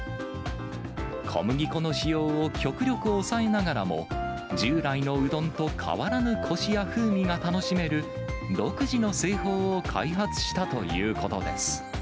小麦粉の使用を極力抑えながらも、従来のうどんと変わらぬこしや風味が楽しめる、独自の製法を開発したということです。